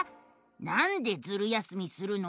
「なんでズル休みするの？